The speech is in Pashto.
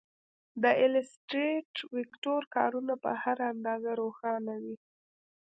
د ایلیسټریټر ویکتور کارونه په هر اندازه روښانه وي.